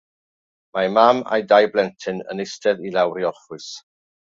Mae mam a'i dau blentyn yn eistedd i lawr i orffwys.